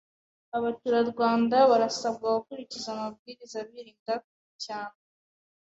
Abaturarwanda barasabwa gukurikiza amabwiriza birinda kucyandura.